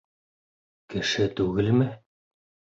Кеше түгелме?